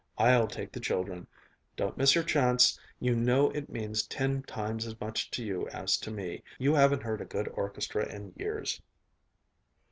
I'll take the children. Don't miss your chance. You know it means ten times as much to you as to me. You haven't heard a good orchestra in years."